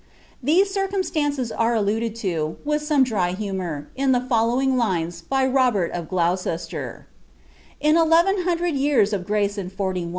ThflM circumstances are alluded to, with some dry humour, in t Mlowitig lines, by Kobert of Gloucester :"■ In elrven hundred jmm of grace ard forty.